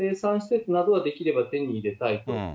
やはり生産施設などはできれば手に入れたいと。